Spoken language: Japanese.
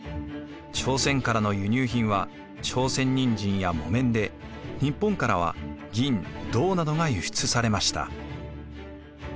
朝鮮からの輸入品は朝鮮人参や木綿で日本からは銀・銅などが輸出されました。